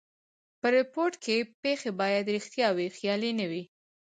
په ریپورټ کښي پېښي باید ریښتیا وي؛ خیالي نه وي.